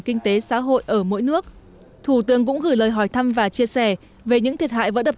kinh tế xã hội ở mỗi nước thủ tướng cũng gửi lời hỏi thăm và chia sẻ về những thiệt hại vỡ đập